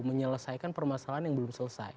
menyelesaikan permasalahan yang belum selesai